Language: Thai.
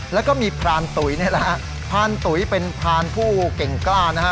แล้วก็มีพลาณตุ๋ยเป็นพลาณผู้เก่งกล้าน